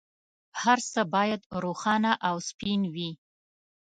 هر څه باید روښانه او سپین وي.